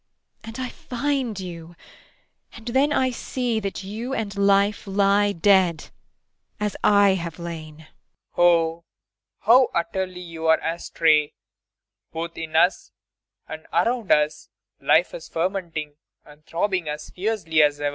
And I find you. And then I see that you and life lie dead as I have lain. PROFESSOR RUBEK. Oh, how utterly you are astray! Both in us and around us life is fermenting and throbbing as fiercely as ever!